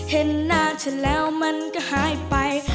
เห็นหน้าฉันแล้วมันก็หายไป